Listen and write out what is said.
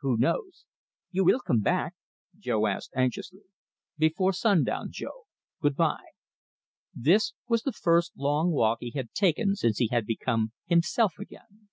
"Who knows?" "You will come back?" Jo asked anxiously. "Before sundown, Jo. Good bye!" This was the first long walk he had taken since he had become himself again.